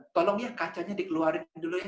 tolong ya kacanya dikeluarin dulu ya